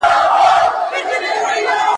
ـ هو، هو! ډوډۍ راته هغه تياروي.